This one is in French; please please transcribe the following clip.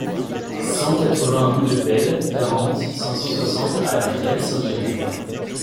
cent quatre-vingts rue de Paile, quarante, cinq cent soixante à Vielle-Saint-Girons